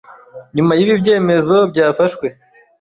nyuma y'ibi byemezo byafashwe